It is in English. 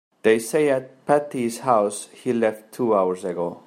They say at Patti's house he left two hours ago.